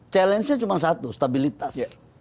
challenge nya cuma satu stabilitas